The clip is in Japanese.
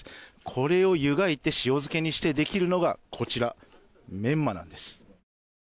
これを湯がいて塩漬けにしてできるのがこちら、メンマなんです。